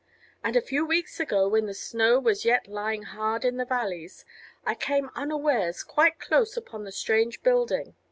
And a few weeks ago, when the snow was yet lying hard in the valleys, I came unawares quite close upon the strange building.